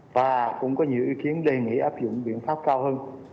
và cũng có nhiều ý kiến đề nghị áp dụng biện pháp cao hơn